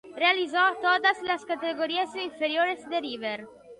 Realizó todas las categorías inferiores de River.